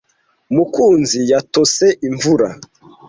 Mukunzi yatose imvura.